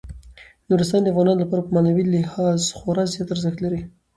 نورستان د افغانانو لپاره په معنوي لحاظ خورا زیات ارزښت لري.